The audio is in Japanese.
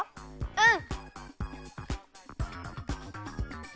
うん！